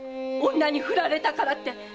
女にふられたからって〕